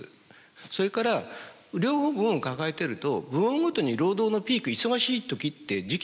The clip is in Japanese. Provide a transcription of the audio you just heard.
それから両部門を抱えていると部門ごとに労働のピーク忙しい時って時期ってずれるんですよ